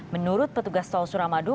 menurut petugas tol suramadu